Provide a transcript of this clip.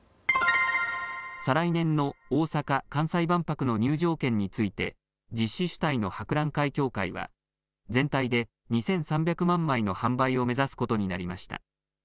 再来年の大阪・関西万博の入場券について実施主体の博覧会協会は全体で２３００万枚の販売を目指すことになりました。